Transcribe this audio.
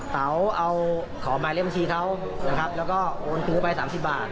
เต๋าเอาขอหมายในบัญชีเขานะครับแล้วก็โอนผู้ไปสามสิบบาท